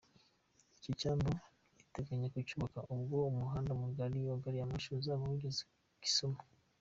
Icyo cyambu iteganya kucyubaka ubwo umuhanda wa Gari ya moshi uzaba wageze Kisumu.